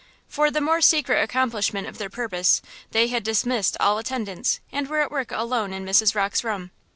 For the more secret accomplishment of their purpose, they had dismissed all attendance, and were at work alone in Mrs. Rocke's room.